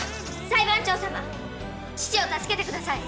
裁判長様父を助けてください！